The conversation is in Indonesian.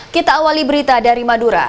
kita awali berita dari madura